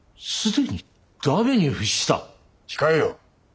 控えよ。